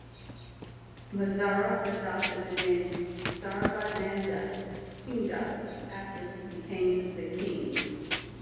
Mezara adopted the name Sarbananda Singha after he became the King.